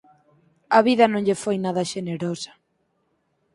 A vida non lle foi nada xenerosa.